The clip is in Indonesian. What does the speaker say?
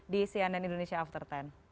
di cnn indonesia after sepuluh